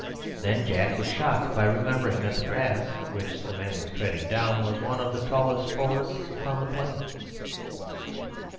Then Jack was shocked by remembering that the grass which the man was treading down was one of the tallest forests upon that plain.